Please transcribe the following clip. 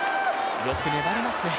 よく粘りますね。